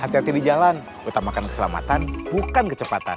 hati hati di jalan utamakan keselamatan bukan kecepatan